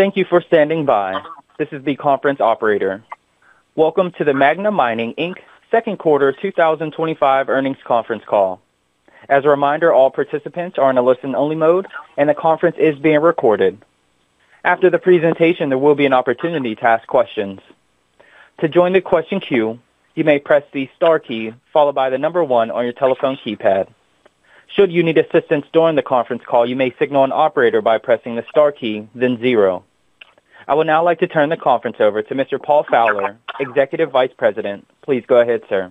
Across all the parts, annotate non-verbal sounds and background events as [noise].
Thank you for standing by. This is the conference operator. Welcome to the Magna Mining Inc. Second Quarter 2025 Earnings Conference Call. As a reminder, all participants are in a listen-only mode, and the conference is being recorded. After the presentation, there will be an opportunity to ask questions. To join the question queue, you may press the star key followed by the number one on your telephone keypad. Should you need assistance during the conference call, you may signal an operator by pressing the star key, then zero. I would now like to turn the conference over to Mr. Paul Fowler, Executive Vice President. Please go ahead, sir.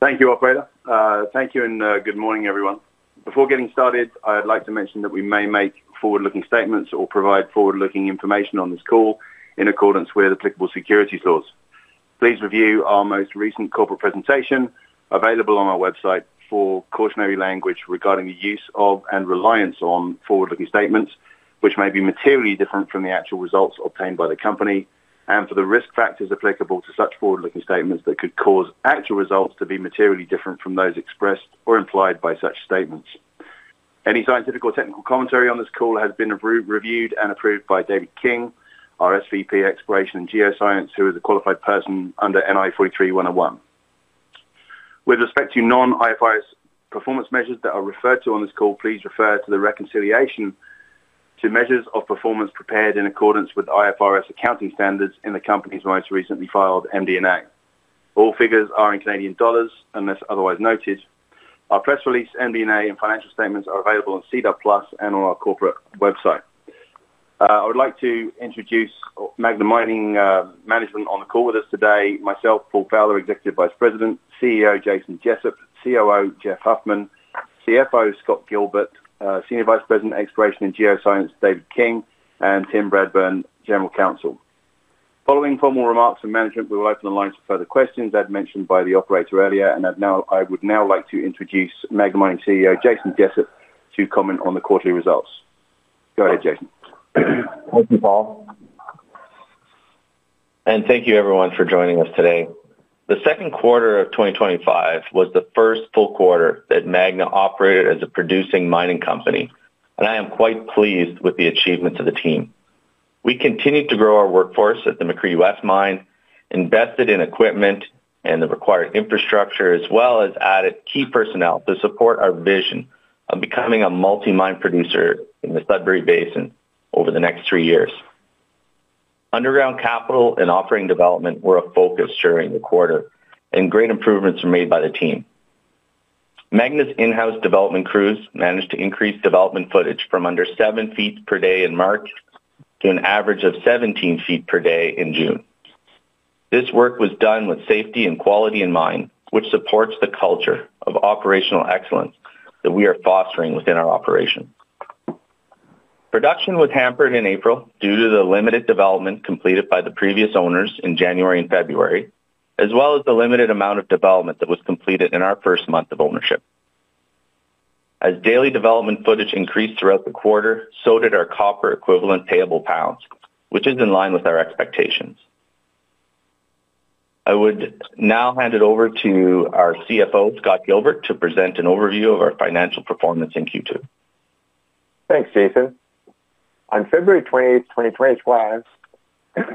Thank you, operator. Thank you and good morning, everyone. Before getting started, I'd like to mention that we may make forward-looking statements or provide forward-looking information on this call in accordance with applicable securities laws. Please review our most recent corporate presentation available on our website for cautionary language regarding the use of and reliance on forward-looking statements, which may be materially different from the actual results obtained by the company, and for the risk factors applicable to such forward-looking statements that could cause actual results to be materially different from those expressed or implied by such statements. Any scientific or technical commentary on this call has been reviewed and approved by David King, our SVP, Exploration and Geoscience, who is a qualified person under NI 43-101. With respect to non-IFRS performance measures that are referred to on this call, please refer to the reconciliation to measures of performance prepared in accordance with IFRS accounting standards in the company's most recently filed MD&A. All figures are in Canadian dollars unless otherwise noted. Our press release, MD&A and financial statements are available on SEDAR+ and on our corporate website. I would like to introduce Magna Mining management on the call with us today: myself, Paul Fowler, Executive Vice President, CEO Jason Jessup, COO Jeff Huffman, CFO Scott Gilbert, Senior Vice President, Exploration and Geoscience, David King, and Tim Bradburn, General Counsel. Following formal remarks from management, we will open the lines for further questions, as mentioned by the operator earlier, and I would now like to introduce Magna Mining CEO Jason Jessup to comment on the quarterly results. Go ahead, Jason. Thank you, Paul. Thank you, everyone, for joining us today. The second quarter of 2025 was the first full quarter that Magna operated as a producing mining company, and I am quite pleased with the achievements of the team. We continued to grow our workforce at the McCreedy West Mine, invested in equipment and the required infrastructure, as well as added key personnel to support our vision of becoming a multi-mine producer in the Sudbury Basin over the next three years. Underground capital and operating development were a focus during the quarter, and great improvements were made by the team. Magna's in-house development crews managed to increase development footage from under 7 ft per day in March to an average of 17 ft per day in June. This work was done with safety and quality in mind, which supports the culture of operational excellence that we are fostering within our operation. Production was hampered in April due to the limited development completed by the previous owners in January and February, as well as the limited amount of development that was completed in our first month of ownership. As daily development footage increased throughout the quarter, so did our copper equivalent payable pounds, which is in line with our expectations. I would now hand it over to our CFO, Scott Gilbert, to present an overview of our financial performance in Q2. Thanks, Jason. On February 28, 2025,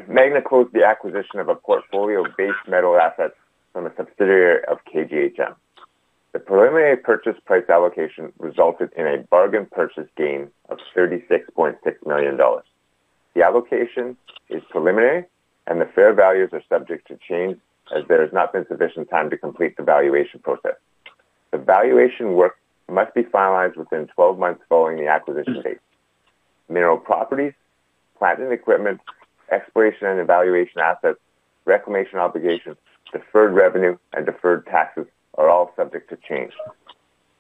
Magna closed the acquisition of a portfolio of base metal assets from a subsidiary of KGHM. The preliminary purchase price allocation resulted in a bargain purchase gain of 36.6 million dollars. The allocation is preliminary, and the fair values are subject to change as there has not been sufficient time to complete the valuation process. The valuation work must be finalized within 12 months following the acquisition date. Mineral properties, plant and equipment, exploration and evaluation assets, reclamation obligations, deferred revenue, and deferred taxes are all subject to change.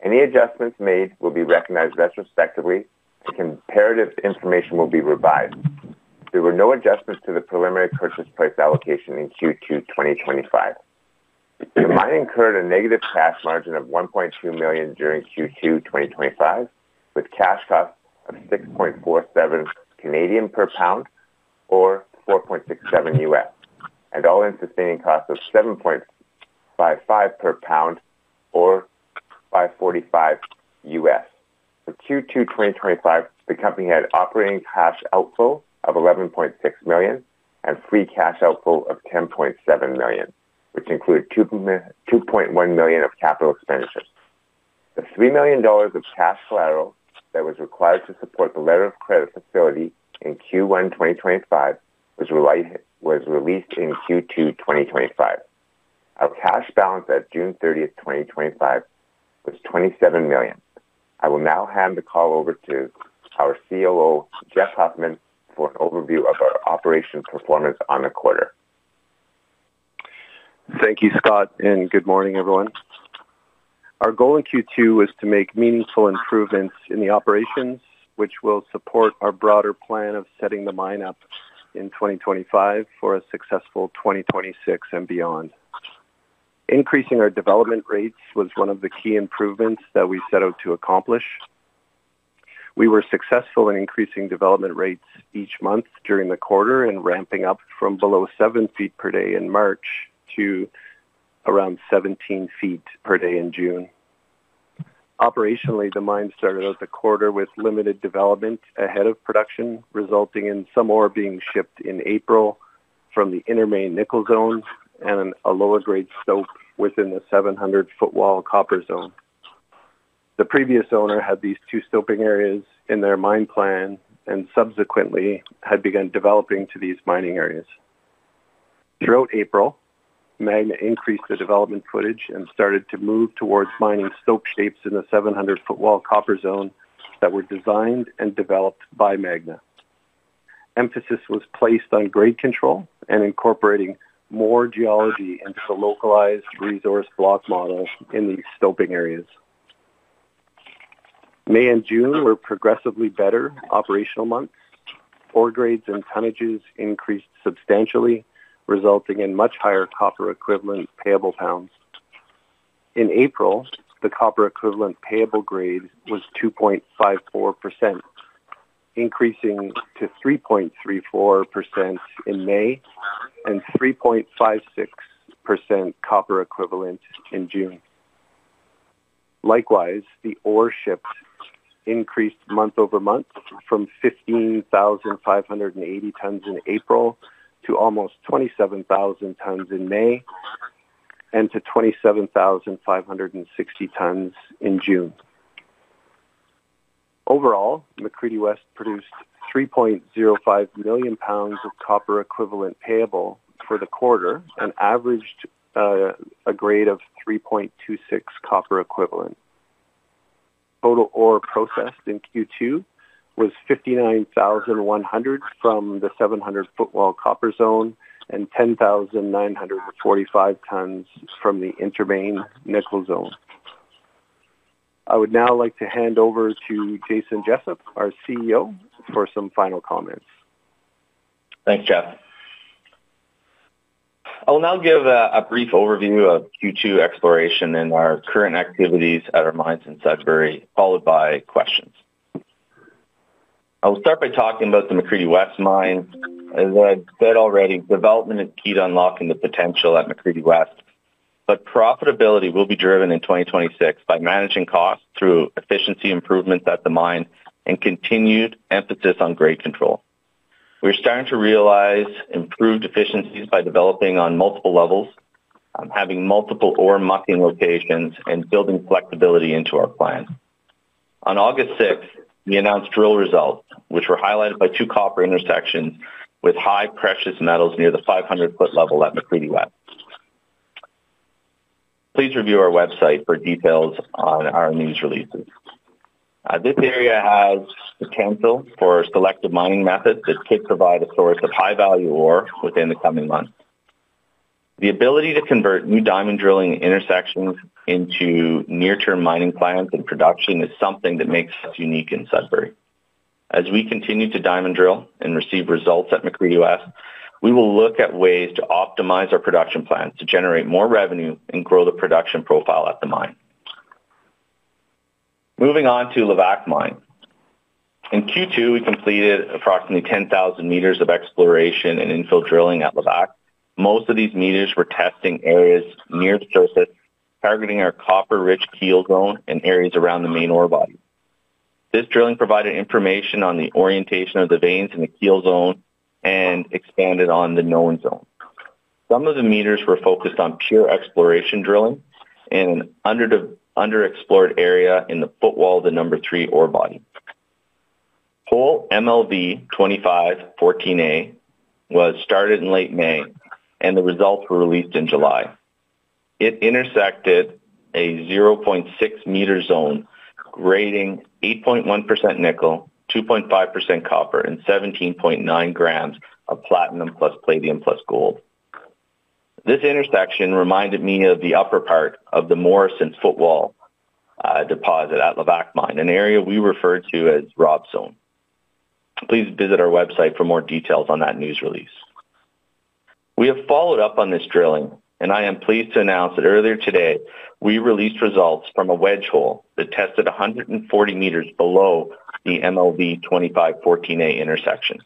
Any adjustments made will be recognized retrospectively, and comparative information will be revised. There were no adjustments to the preliminary purchase price allocation in Q2 2025. The mine incurred a negative cash margin of $1.2 million during Q2 2025, with cash costs of 6.47 Canadian per pound or $4.67 U.S., and all-in sustaining costs of $7.55 per pound or $5.45 U.S. For Q2 2025, the company had operating cash outflow of $11.6 million and free cash outflow of $10.7 million, which included $2.1 million of capital expenditures. The $3 million of cash collateral that was required to support the letter of credit facility in Q1 2025 was released in Q2 2025. Our cash balance at June 30, 2025, was $27 million. I will now hand the call over to our COO, Jeff Huffman, for an overview of our operations performance on the quarter. Thank you, Scott, and good morning, everyone. Our goal in Q2 was to make meaningful improvements in the operations, which will support our broader plan of setting the mine up in 2025 for a successful 2026 and beyond. Increasing our development rates was one of the key improvements that we set out to accomplish. We were successful in increasing development rates each month during the quarter and ramping up from below 7 ft per day in March to around 17 ft per day in June. Operationally, the mine started out the quarter with limited development ahead of production, resulting in some ore being shipped in April from the Intermain Nickel Zone and a lower grade stope within the 700 Footwall Copper Zone. The previous owner had these two stoping areas in their mine plan and subsequently had begun developing to these mining areas. Throughout April, Magna increased the development footage and started to move towards mining stope shapes in the 700 Footwall Copper Zone that were designed and developed by Magna. Emphasis was placed on grade control and incorporating more geology into the localized resource block model in these stoping areas. May and June were progressively better operational months. Ore grades and tonnages increased substantially, resulting in much higher copper equivalent payable pounds. In April, the copper equivalent payable grade was 2.54%, increasing to 3.34% in May and 3.56% copper equivalent in June. Likewise, the ore shipped increased month over month from 15,580 tons in April to almost 27,000 tons in May and to 27,560 tons in June. Overall, McCreedy West produced 3.05 million lbs of copper equivalent payable for the quarter and averaged a grade of 3.26% copper equivalent. Total ore processed in Q2 was 59,100 tons from the 700 Footwall Copper Zone and 10,945 tons from the Intermain Nickel Zone. I would now like to hand over to Jason Jessup, our CEO, for some final comments. Thanks, Jeff. I'll now give a brief overview of Q2 exploration and our current activities at our mines in Sudbury, followed by questions. I will start by talking about the McCreedy West Mine. As I said already, development is key to unlocking the potential at McCreedy West, but profitability will be driven in 2026 by managing costs through efficiency improvements at the mine and continued emphasis on grade control. We're starting to realize improved efficiencies by developing on multiple levels, having multiple ore mucking locations, and building flexibility into our plan. On August 6th, we announced drill results, which were highlighted by two copper intersections with high precious metals near the 500 ft level at McCreedy West. Please review our website for details on our news releases. This area has potential for selective mining methods that could provide a source of high-value ore within the coming months. The ability to convert new diamond drilling intersections into near-term mining plans and production is something that makes us unique in Sudbury. As we continue to diamond drill and receive results at McCreedy West, we will look at ways to optimize our production plans to generate more revenue and grow the production profile at the mine. Moving on to Levack Mine. In Q2, we completed approximately 10,000 m of exploration and infill drilling at Levack. Most of these meters were testing areas near the surface, targeting our copper-rich Keel Zone and areas around the main ore body. This drilling provided information on the orientation of the veins in the Keel zone and expanded on the known zone. Some of the meters were focused on pure exploration drilling in an underexplored area in the footwall of the No. 3 Orebody. Hole MLV-25-14A was started in late May, and the results were released in July. It intersected a 0.6 m zone grading 8.1% nickel, 2.5% copper, and 17.9 g of platinum plus palladium plus gold. This intersection reminded me of the upper part of the Morrison's footwall deposit at Levack Mine, an area we refer to as Rob Zone. Please visit our website for more details on that news release. We have followed up on this drilling, and I am pleased to announce that earlier today we released results from a wedge hole that tested 140 m below the MLV-25-14A intersection.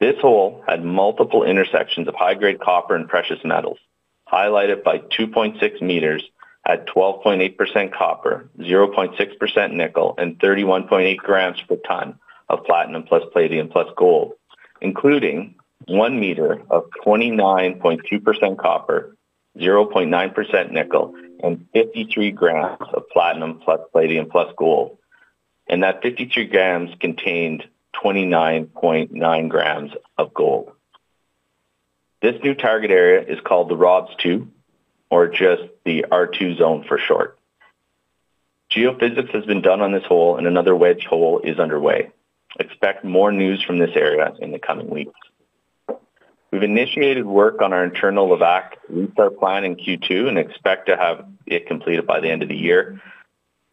This hole had multiple intersections of high-grade copper and precious metals, highlighted by 2.6 m at 12.8% copper, 0.6% nickel, and 31.8 g per ton of platinum plus palladium plus gold, including 1 m of 29.2% copper, 0.9% nickel, and 53 g of platinum plus palladium plus gold. That 53 g contained 29.9 g of gold. This new target area is called the Rob's 2 or just the R2 Zone for short. Geophysics has been done on this hole, and another wedge hole is underway. Expect more news from this area in the coming weeks. We've initiated work on our internal Levack repair plan in Q2 and expect to have it completed by the end of the year.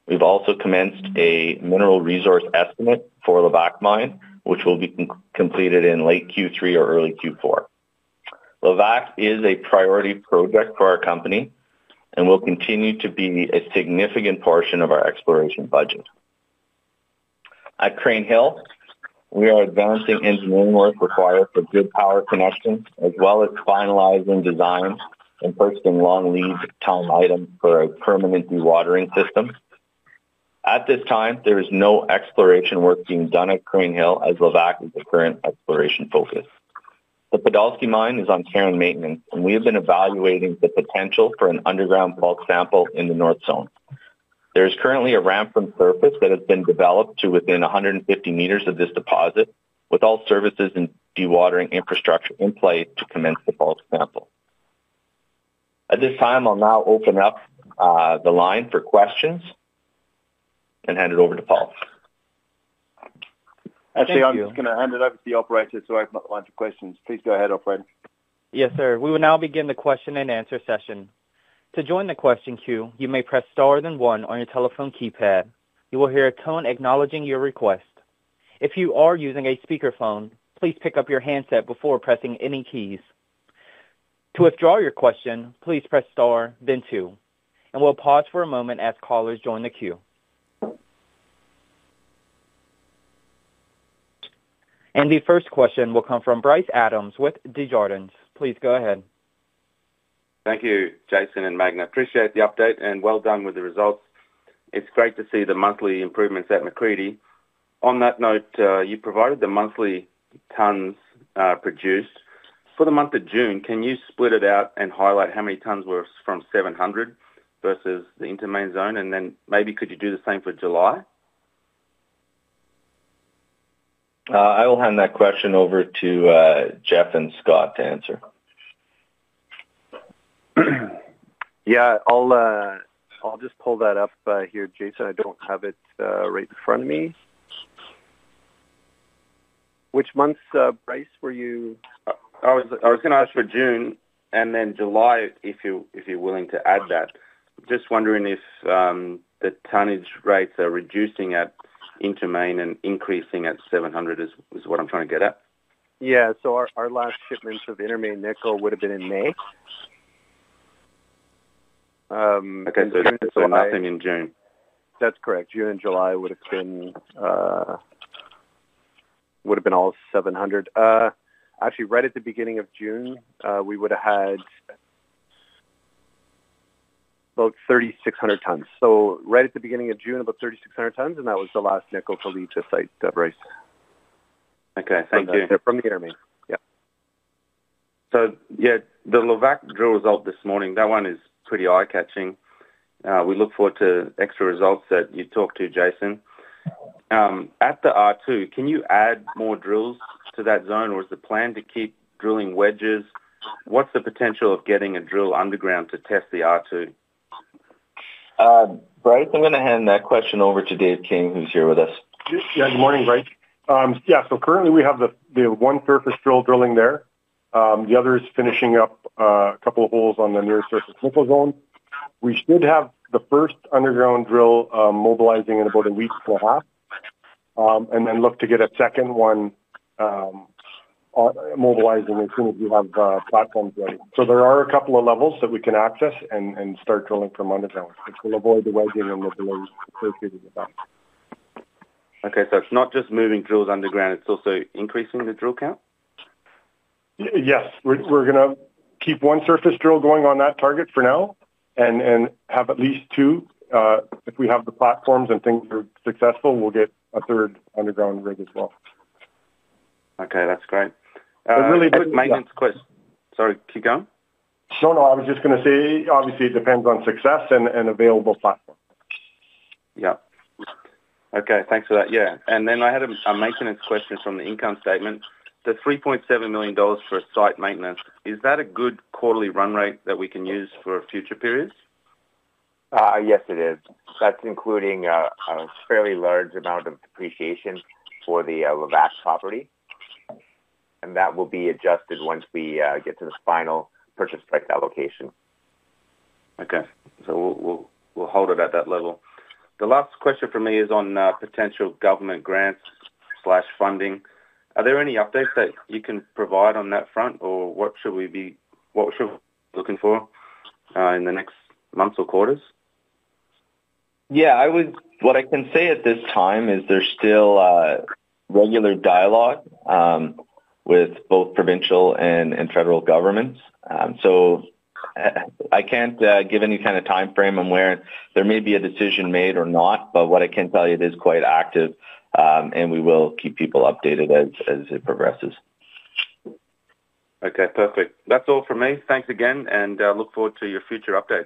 We've also commenced a mineral resource estimate for Levack Mine, which will be completed in late Q3 or early Q4. Levack is a priority project for our company and will continue to be a significant portion of our exploration budget. At Crean Hill, we are advancing engineering work required for good power connections, as well as finalizing designs and purchasing long-lead tunnel items for a permanent dewatering system. At this time, there is no exploration work being done at Crean Hill as Levack is the current exploration focus. The Podolsky Mine is on current maintenance, and we have been evaluating the potential for an underground vault sample in the North Zone. There is currently a ramp from the surface that has been developed to within 150 m of this deposit, with all services and dewatering infrastructure in place to commence the vault sample. At this time, I'll now open up the line for questions and hand it over to Paul. Actually, I'm just going to hand it over to the operator to open up the line for questions. Please go ahead, operator. Yes, sir. We will now begin the question-and-answer session. To join the question queue, you may press star then one on your telephone keypad. You will hear a tone acknowledging your request. If you are using a speakerphone, please pick up your handset before pressing any keys. To withdraw your question, please press star then two. We'll pause for a moment as callers join the queue. The first question will come from Bryce Adams with Desjardins. Please go ahead. Thank you, Jason and Magna. Appreciate the update and well done with the results. It's great to see the monthly improvements at McCreedy. On that note, you provided the monthly tons produced. For the month of June, can you split it out and highlight how many tons were from 700 versus the Intermain Zone? Could you do the same for July? I will hand that question over to Jeff and Scott to answer. Yeah, I'll just pull that up here, Jason. I don't have it right in front of me. Which month, Bryce, were you? I was going to ask for June and then July if you're willing to add that. Just wondering if the tonnage rates are reducing at Intermain and increasing at 700 is what I'm trying to get at. Yeah, our last shipments of Intermain Nickel would have been in May. Okay, nothing in June. That's correct. June and July would have been all 700. Actually, right at the beginning of June, we would have had about 3,600 tons. Right at the beginning of June, about 3,600 tons, and that was the last nickel for the [ETA site], Bryce. Okay, thank you. From the Intermain. Yeah, the Levack drill result this morning, that one is pretty eye-catching. We look forward to extra results that you talk to, Jason. At the R2, can you add more drills to that zone, or is the plan to keep drilling wedges? What's the potential of getting a drill underground to test the R2? Bryce, I'm going to hand that question over to Dave King, who's here with us. Yeah, good morning, Bryce. Currently, we have the one surface drill drilling there. The other is finishing up a couple of holes on the near surface nickel zone. We should have the first underground drill mobilizing in about a week and a half, and look to get a second one mobilizing as soon as you have platforms ready. There are a couple of levels that we can access and start drilling from underground. It will avoid the wedging and the belows associated with that. Okay, so it's not just moving drills underground, it's also increasing the drill count? Yes, we're going to keep one surface drill going on that target for now and have at least two. If we have the platforms and things are successful, we'll get a third underground rig as well. Okay, that's great. Sorry, keep going. I was just going to say, obviously, it depends on success and available platform. Okay, thanks for that. I had a maintenance question from the income statement. The $3.7 million for site maintenance, is that a good quarterly run rate that we can use for future periods? Yes, it is. That's including a fairly large amount of depreciation for the Levack property. That will be adjusted once we get to the final purchase price allocation. Okay, we'll hold it at that level. The last question for me is on potential government grants/funding. Are there any updates that you can provide on that front, or what should we be looking for in the next months or quarters? What I can say at this time is there's still a regular dialogue with both provincial and federal governments. I can't give any kind of timeframe on where there may be a decision made or not, but what I can tell you is quite active, and we will keep people updated as it progresses. Okay, perfect. That's all for me. Thanks again, and look forward to your future updates.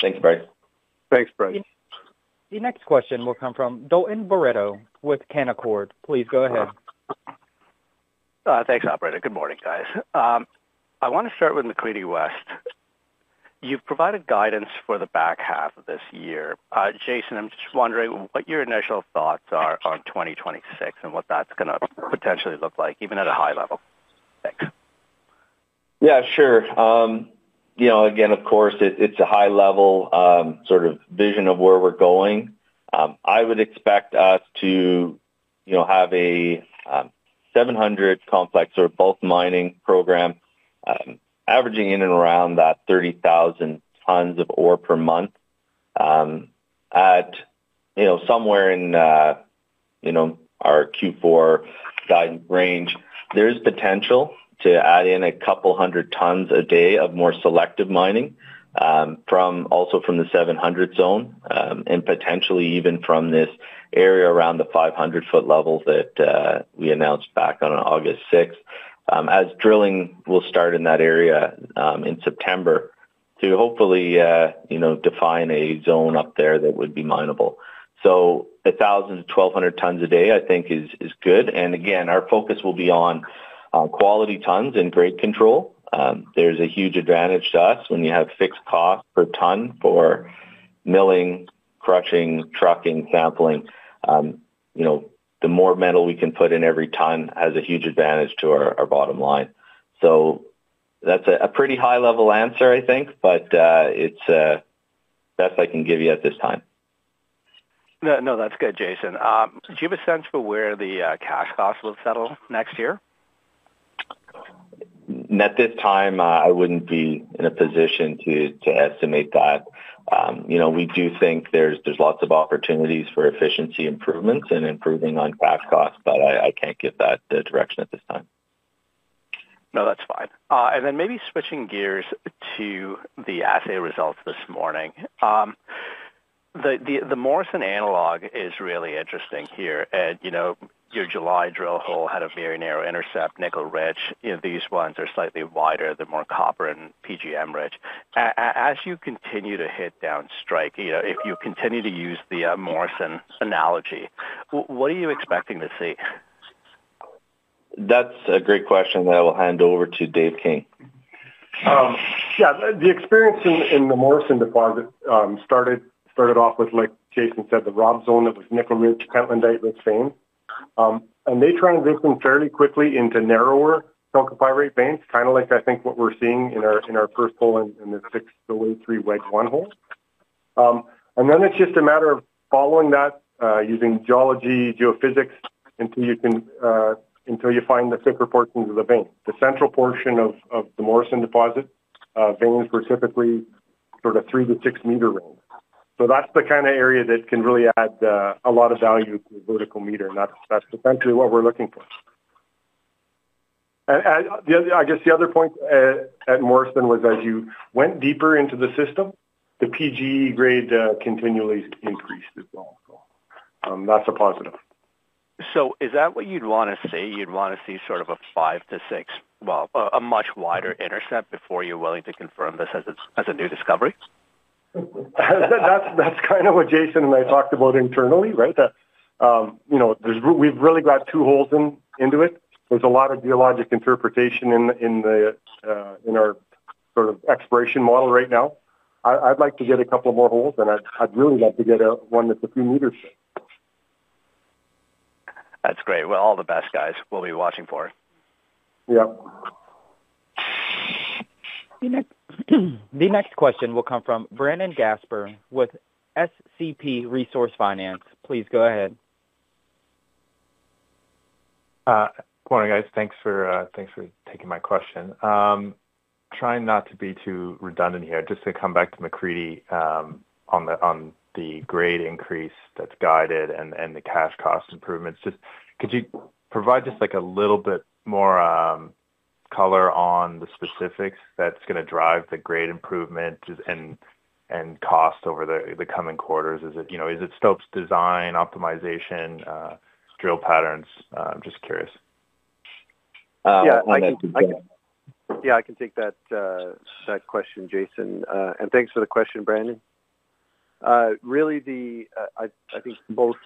Thank you, Bryce. [crosstalk] The next question will come from Dalton Baretto with Canaccord. Please go ahead. Thanks, operator. Good morning, guys. I want to start with McCreedy West. You've provided guidance for the back half of this year. Jason, I'm just wondering what your initial thoughts are on 2026 and what that's going to potentially look like, even at a high level. Thanks. Yeah, sure. Of course, it's a high-level sort of vision of where we're going. I would expect us to have a 700 complex or bulk mining program, averaging in and around 30,000 tons of ore per month. At somewhere in our Q4 guidance range, there is potential to add in a couple hundred tons a day of more selective mining also from the 700 zone and potentially even from this area around the 500 ft level that we announced back on August 6, as drilling will start in that area in September to hopefully define a zone up there that would be mineable. 1,000 tons-1,200 tons a day, I think, is good. Our focus will be on quality tons and grade control. There's a huge advantage to us when you have fixed cost per ton for milling, crushing, trucking, sampling. The more metal we can put in every ton has a huge advantage to our bottom line. That's a pretty high-level answer, I think, but it's the best I can give you at this time. No, that's good, Jason. Do you have a sense for where the cash costs will settle next year? At this time, I wouldn't be in a position to estimate that. We do think there's lots of opportunities for efficiency improvements and improving on cash costs, but I can't give that direction at this time. No, that's fine. Maybe switching gears to the assay results this morning, the Morrison analog is really interesting here. You know, your July drill hole had a very narrow intercept, nickel rich. These ones are slightly wider, they're more copper and PGM rich. As you continue to hit downstrike, if you continue to use the Morrison analogy, what are you expecting to see? That's a great question that I will hand over to Dave King. Yeah, the experience in the Morrison deposit started off with, like Jason said, the Rob zone of Ni-rich, pentlandite and pyrrhotite veins. They transitioned fairly quickly into narrower calcified rate veins, kind of like I think what we're seeing in our first hole and the FNX6083-W1 hole. It's just a matter of following that using geology and geophysics until you can find the thicker portions of the vein. The central portion of the Morrison deposit veins were typically sort of 3 m-6 m range. That's the kind of area that can really add a lot of value to the vertical meter. That's essentially what we're looking for. I guess the other point at Morrison was as you went deeper into the system, the PG grade continually increased as well. That's a positive. Is that what you'd want to see? You'd want to see sort of a 5 m-6 m, well, a much wider intercept before you're willing to confirm this as a new discovery? That's kind of what Jason and I talked about internally, right? You know, we've really got two holes into it. There's a lot of geologic interpretation in our sort of exploration model right now. I'd like to get a couple more holes, and I'd really like to get one that's a few meters there. That's great. All the best, guys. We'll be watching for it. Yeah. The next question will come from Brandon Gaspar with SCP Resource Finance. Please go ahead. Morning, guys. Thanks for taking my question. Trying not to be too redundant here, just to come back to McCreedy on the grade increase that's guided and the cash cost improvements. Could you provide just like a little bit more color on the specifics that's going to drive the grade improvement and cost over the coming quarters? Is it stope design, optimization, drill patterns? I'm just curious. Yeah, I can take that question, Jason. Thanks for the question, Brandon. Really, I think both,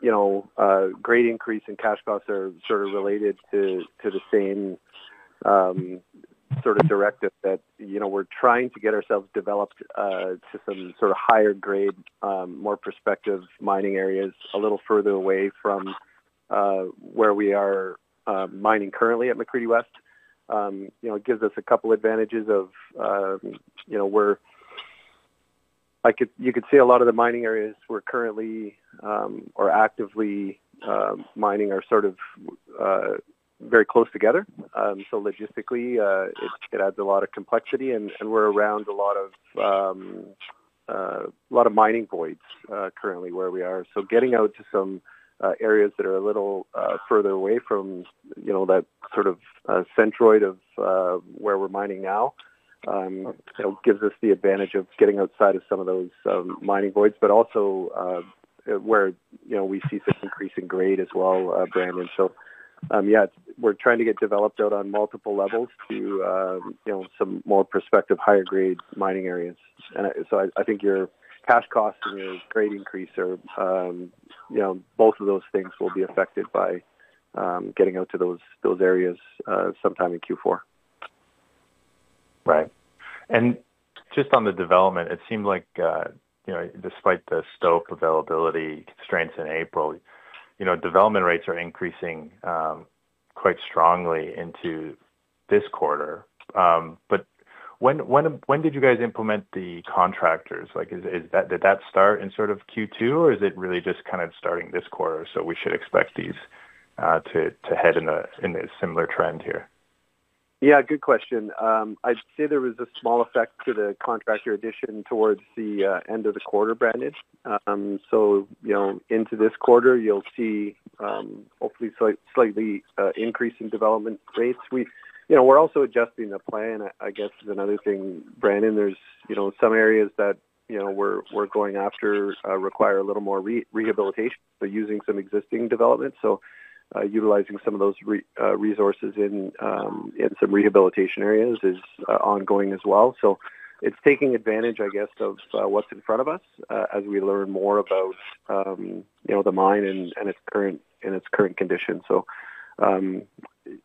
you know, grade increase and cash costs are sort of related to the same sort of directive that, you know, we're trying to get ourselves developed to some sort of higher grade, more prospective mining areas a little further away from where we are mining currently at McCreedy West. It gives us a couple of advantages. You could say a lot of the mining areas we're currently or actively mining are sort of very close together. Logistically, it adds a lot of complexity, and we're around a lot of mining voids currently where we are. Getting out to some areas that are a little further away from that sort of centroid of where we're mining now gives us the advantage of getting outside of some of those mining voids, but also where we see this increase in grade as well, Brandon. We're trying to get developed out on multiple levels to some more prospective higher grade mining areas. I think your cash cost and your grade increase are, you know, both of those things will be affected by getting out to those areas sometime in Q4. Right. Just on the development, it seemed like, you know, despite the stope availability constraints in April, development rates are increasing quite strongly into this quarter. When did you guys implement the contractors? Did that start in sort of Q2, or is it really just kind of starting this quarter? We should expect these to head in a similar trend here? Yeah, good question. I'd say there was a small effect to the contractor addition towards the end of the quarter, Brandon. Into this quarter, you'll see hopefully slightly increasing development rates. We're also adjusting the plan, I guess, is another thing, Brandon. There are some areas that we're going after that require a little more rehabilitation, but using some existing development. Utilizing some of those resources in some rehabilitation areas is ongoing as well. It's taking advantage of what's in front of us as we learn more about the mine and its current condition.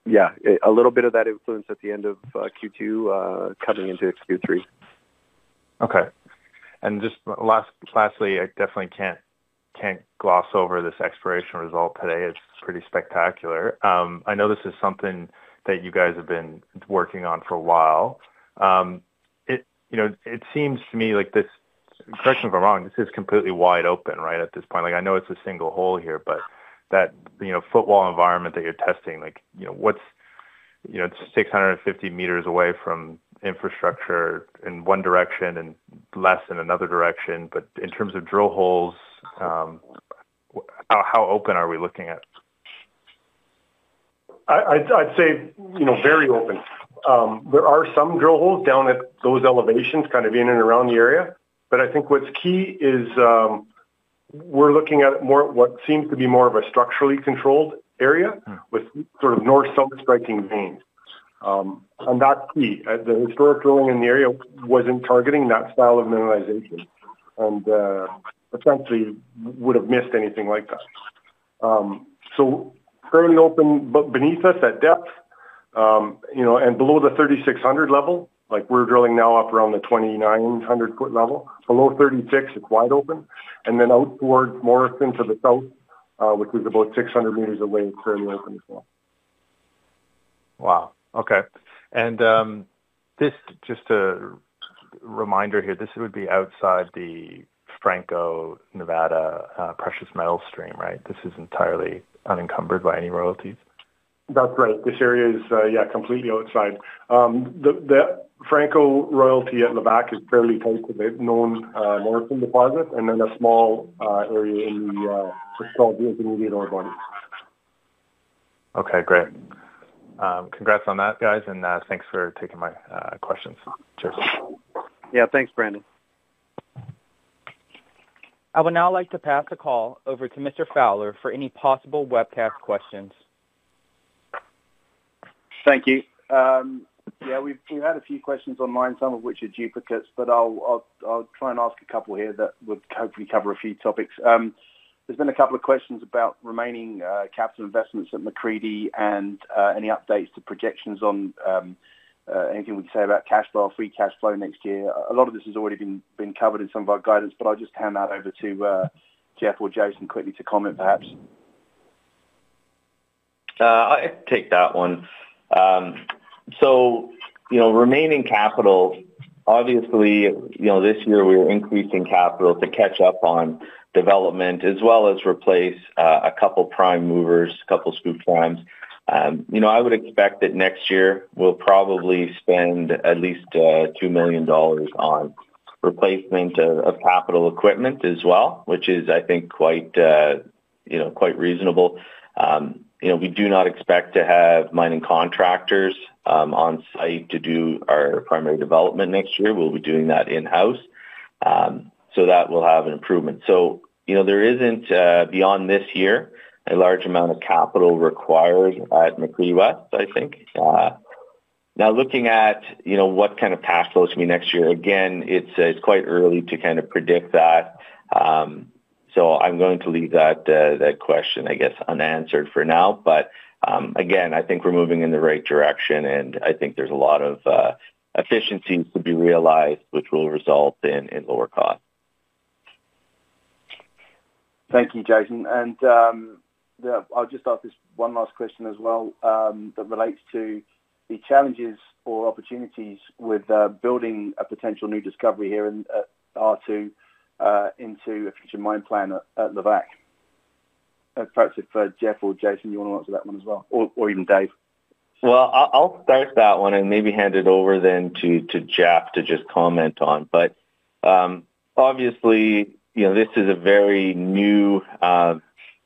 Yeah, a little bit of that influence at the end of Q2 cutting into Q3. Okay. Lastly, I definitely can't gloss over this exploration result today. It's pretty spectacular. I know this is something that you guys have been working on for a while. It seems to me like this, correct me if I'm wrong, this is completely wide open, right, at this point. I know it's a single hole here, but that footwall environment that you're testing, it's 650 m away from infrastructure in one direction and less in another direction. In terms of drill holes, how open are we looking at? I'd say, you know, very open. There are some drill holes down at those elevations, kind of in and around the area. I think what's key is we're looking at it more at what seems to be more of a structurally controlled area with sort of north sub-striking veins. That's key. The historic drilling in the area wasn't targeting that style of mineralization. Essentially, we would have missed anything like that. Fairly open, but beneath us at depth, you know, and below the 3,600 level, like we're drilling now up around the 2,900 ft level. Below 3,600, it's wide open. Out towards Morrison to the south, which was about 600 m away, it's fairly open as well. Wow. Okay. Just a reminder here, this would be outside the Franco-Nevada precious metal stream, right? This is entirely unencumbered by any royalties? That's right. This area is completely outside. The Franco royalty at Levack is fairly tight to the known Morrison deposit and then a small area in the [Crean Hill] via intermediate ore zones. Okay, great. Congrats on that, guys, and thanks for taking my questions. I would now like to pass the call over to Mr. Fowler for any possible webcast questions. Thank you. Yeah, we've had a few questions online, some of which are duplicates, but I'll try and ask a couple here that would hopefully cover a few topics. There's been a couple of questions about remaining capital investments at McCreedy and any updates to projections on anything we can say about cash flow, free cash flow next year. A lot of this has already been covered in some of our guidance, but I'll just hand that over to Jeff or Jason quickly to comment, perhaps. I'll take that one. Remaining capital, obviously, this year we are increasing capital to catch up on development as well as replace a couple prime movers, a couple scoop primes. I would expect that next year we'll probably spend at least $2 million on replacement of capital equipment as well, which is, I think, quite reasonable. We do not expect to have mining contractors on site to do our primary development next year. We'll be doing that in-house. That will have an improvement. There isn't, beyond this year, a large amount of capital required at McCreedy West, I think. Now, looking at what kind of cash flows will be next year, again, it's quite early to kind of predict that. I'm going to leave that question, I guess, unanswered for now. Again, I think we're moving in the right direction, and I think there's a lot of efficiencies to be realized, which will result in lower costs. Thank you, Jason. I'll just ask this one last question as well that relates to the challenges or opportunities with building a potential new discovery here in R2 into a future mine plan at Levack. I've got this for Jeff or Jason. Do you want to answer that one as well, or even Dave? I'll start that one and maybe hand it over then to Jeff to just comment on. Obviously, you know, this is a very new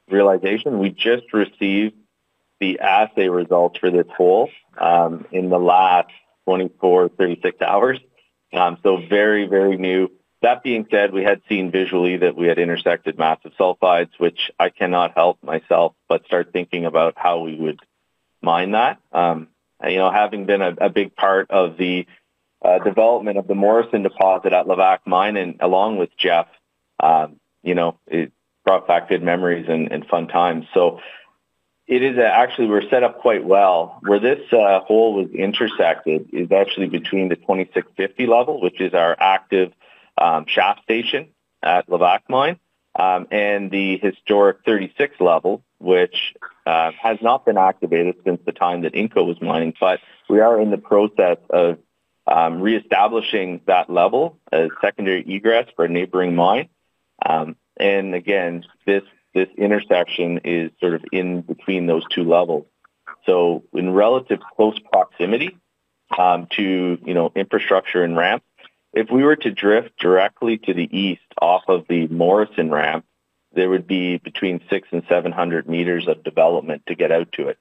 realization. We just received the assay results for this hole in the last 24, 36 hours. Very, very new. That being said, we had seen visually that we had intersected massive sulfides, which I cannot help myself but start thinking about how we would mine that. You know, having been a big part of the development of the Morrison deposit at Levack Mine, and along with Jeff, it brought back good memories and fun times. It is actually, we're set up quite well. Where this hole was intersected is actually between the 2650 level, which is our active shaft station at Levack Mine, and the historic 36 level, which has not been activated since the time that Inco was mined. We are in the process of reestablishing that level as secondary egress for a neighboring mine. This intersection is sort of in between those two levels, so in relative close proximity to, you know, infrastructure and ramp. If we were to drift directly to the east off of the Morrison ramp, there would be between 600 m and 700 m of development to get out to it,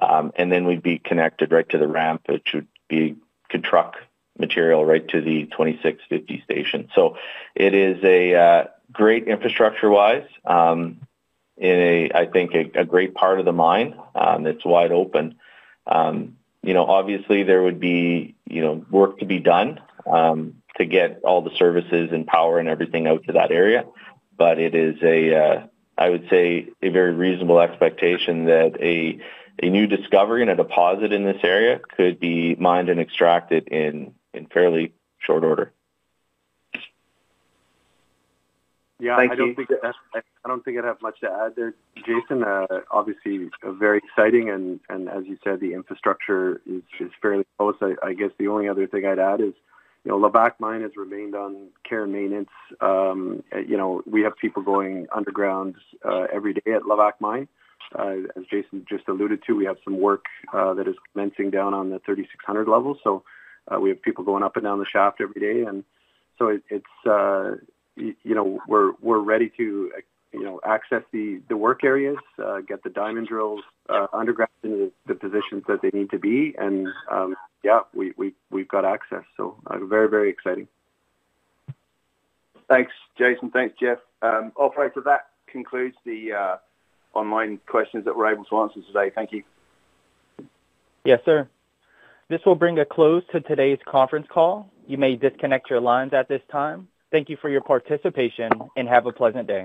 and then we'd be connected right to the ramp, which would be, could truck material right to the 2650 station. It is a great infrastructure-wise, I think a great part of the mine that's wide open. Obviously, there would be, you know, work to be done to get all the services and power and everything out to that area. It is a, I would say, a very reasonable expectation that a new discovery and a deposit in this area could be mined and extracted in fairly short order. Yeah, I don't think I have much to add there. Jason, obviously, very exciting, and as you said, the infrastructure is fairly close. I guess the only other thing I'd add is, you know, Levack Mine has remained on care and maintenance. We have people going underground every day at Levack Mine. As Jason just alluded to, we have some work that is commencing down on the 3,600 level. We have people going up and down the shaft every day. It's, you know, we're ready to access the work areas, get the diamond drills underground in the positions that they need to be. Yeah, we've got access. Very, very exciting. Thanks, Jason. Thanks, Jeff. Operator, that concludes the online questions that we're able to answer today. Thank you. Yes, sir. This will bring a close to today's conference call. You may disconnect your lines at this time. Thank you for your participation and have a pleasant day.